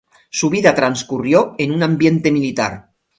Su vida transcurrió en un ambiente militar.